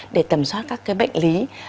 để tầm soát các cái bệnh lý